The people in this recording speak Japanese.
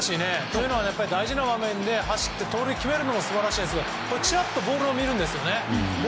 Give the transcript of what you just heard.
というのは大事な場面で走って盗塁を決めるのも素晴らしいんですけどちらっとボールを見てるんですね。